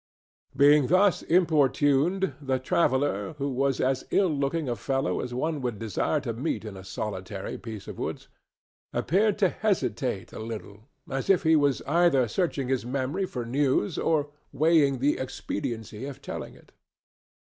Being thus importuned, the traveller—who was as ill looking a fellow as one would desire to meet in a solitary piece of woods—appeared to hesitate a little, as if he was either searching his memory for news or weighing the expediency of telling it.